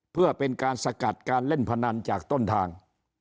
เพื่อเป็นการสกัดการเล่นพนันจากต้นทาง